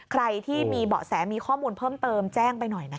ใครที่มีเบาะแสมีข้อมูลเพิ่มเติมแจ้งไปหน่อยนะคะ